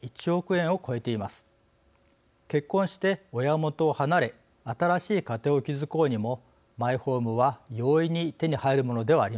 結婚して親元を離れ新しい家庭を築こうにもマイホームは容易に手に入るものではありません。